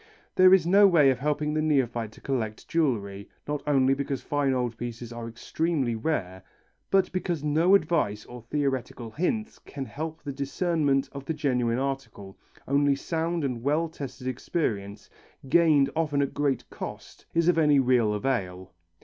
There is no way of helping the neophyte to collect jewellery, not only because fine old pieces are extremely rare, but because no advice or theoretical hints can help the discernment of the genuine article, only sound and well tested experience, gained often at great cost, is of any real avail.